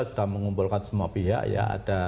sudah mengumpulkan semua pihak ya ada